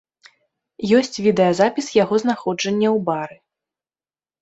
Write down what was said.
Ёсць відэазапіс яго знаходжання ў бары.